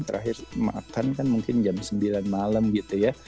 terakhir makan kan mungkin jam sembilan malam gitu ya